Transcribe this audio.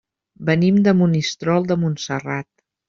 Venim de Monistrol de Montserrat.